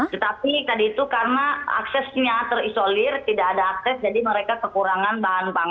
tetapi tadi itu karena aksesnya terisolir tidak ada akses jadi mereka kekurangan bahan pangan